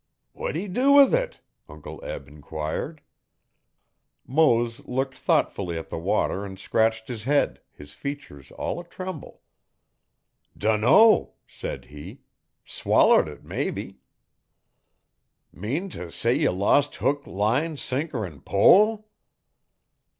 'What d' he dew with it?' Uncle Eb enquired. Mose looked thoughtfully at the water and scratched his head, his features all a tremble. 'Dunno,' said he. 'Swallered it mebbe.' 'Mean t' say ye lost hook, line, sinker 'n pole?'